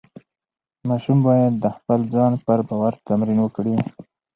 ماشوم باید د خپل ځان پر باور تمرین وکړي.